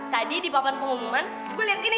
tadi di papan pengumuman gue liat ini